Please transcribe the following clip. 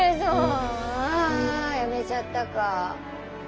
あやめちゃったか。